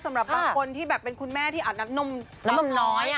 สำหรับบางคนที่แบบเป็นคุณแม่ที่อาบน้ำนมน้ำนมน้อย